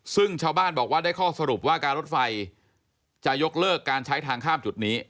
ซึ่งชาวบ้านบอกว่าได้ข้อสรุปว่าการรถไฟจะยกเลิกการใช้ทางข้ามจุดนี้